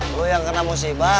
lo yang kena musibah